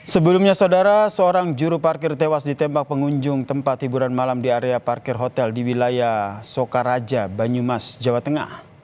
sebelumnya saudara seorang juru parkir tewas ditembak pengunjung tempat hiburan malam di area parkir hotel di wilayah sokaraja banyumas jawa tengah